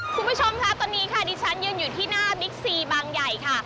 คุณผู้ชมค่ะตอนนี้ค่ะดิฉันยืนอยู่ที่หน้าบิ๊กซีบางใหญ่ค่ะ